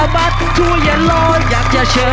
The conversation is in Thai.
บริการลง๒๒๓ในช